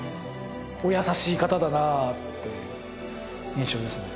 お優しい方だなという印象ですね